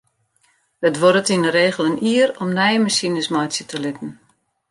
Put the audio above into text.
It duorret yn de regel in jier om nije masines meitsje te litten.